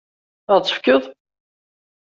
Ad ɣ-tt-tefkeḍ?